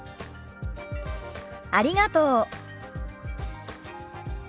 ありがとう。